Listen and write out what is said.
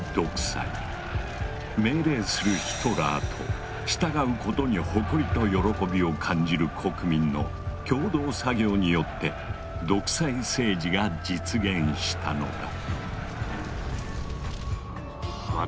命令するヒトラーと従うことに誇りと喜びを感じる国民の共同作業によって独裁政治が実現したのだ。